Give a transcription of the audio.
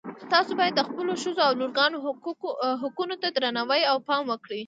تاسو باید د خپلو ښځو او لورګانو حقونو ته درناوی او پام وکړئ